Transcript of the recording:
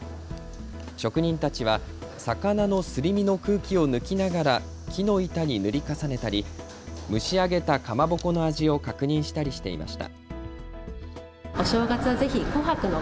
職人たちは魚のすり身の空気を抜きながら木の板に塗り重ねたり蒸し上げたかまぼこの味を確認したりしていました。